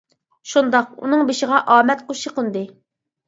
شۇنداق، ئۇنىڭ بېشىغا ئامەت قۇشى قوندى.